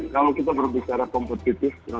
kalau kita berbicara kompetitif